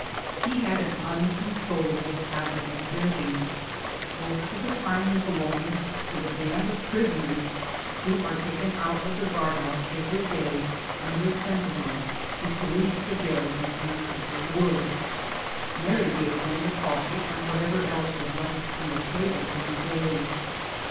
He had an uncontrollable habit of drinking. Most of the time he belonged to the band of prisoners who are taken out of the guard house every day, under a sentinel, to police the garrison and cut the wood. Mary gave them the coffee and whatever else was left from the table every day.